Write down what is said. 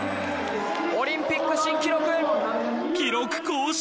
オリンピック新記録！